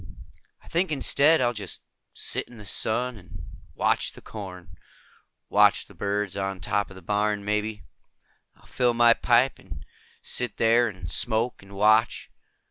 "I think instead, I'll just sit in the sun and watch the corn. Watch the birds on top of the barn, maybe. I'll fill my pipe and sit there and smoke and watch.